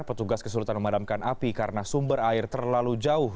petugas kesulitan memadamkan api karena sumber air terlalu jauh